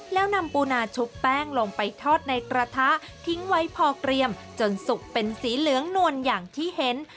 แล้วนำปูนาชุบแป้งลงไปทอดในกระทะทิ้งไว้พอเกรียมจนสุกเป็นสีเหลืองนวลอย่างที่เห็น